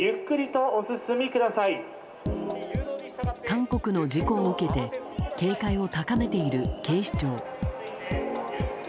韓国の事故を受けて警戒を高めている警視庁。